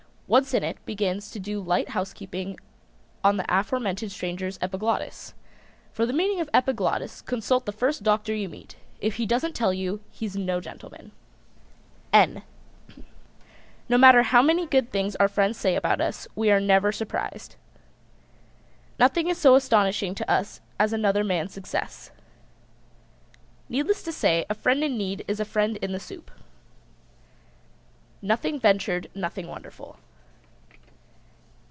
Once in it begins to do light housekeeping on the aforementioned stranger's epiglottis. (For the meaning of epiglottis consult the first doctor you meet. If he doesn't tell you he's no gentleman.) [Illustration: N ] No matter how many good things our friends say about us, we are never surprised. Nothing is so astonishing to us as another man's success. Needless to say, a friend in need is a friend in the soup. Nothing ventured nothing wonderful.